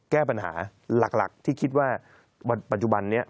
แก้ปัญหาหลักที่คิดว่าปัจจุบันนี้